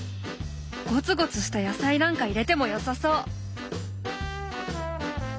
ゴツゴツした野菜なんか入れてもよさそう。